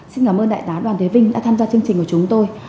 xin cảm ơn đại tá đoàn thế vinh đã tham gia chương trình của chúng tôi